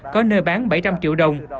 có nơi bán bảy trăm linh triệu đồng